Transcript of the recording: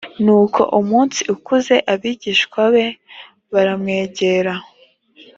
nuko umunsi ukuze abigishwa be baramwegera